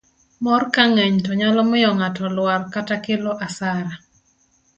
mor kang'eny to nyalo miyo ng'ato lwar kata kelo asara